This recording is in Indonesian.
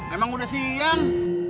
emang udah siang